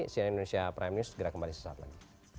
cnn indonesia prime news segera kembali sesaat lagi